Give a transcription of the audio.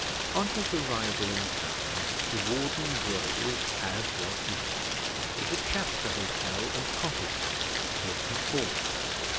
On his arrival in town the warden drove, as was his wont, to the Chapter Hotel and Coffee House, near St Paul's.